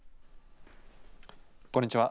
こんにちは。